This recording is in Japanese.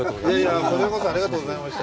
いやいや、こちらこそありがとうございました。